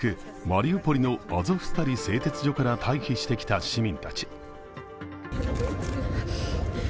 マリウポリのアゾフスタリ製鉄所から退避してきた市民たち。